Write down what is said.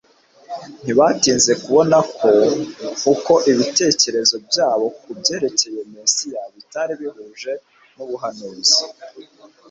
Ntibatinze kubona ko uko ibitekerezo byabo ku byerekeye Mesiya bitari bihuje n'ubuhanuzi;